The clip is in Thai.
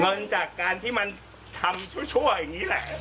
เงินจากการที่มันทำช่วยอังงี้แหละ